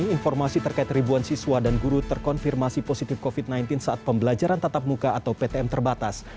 informasi terkait ribuan siswa dan guru terkonfirmasi positif covid sembilan belas saat pembelajaran tatap muka atau ptm terbatas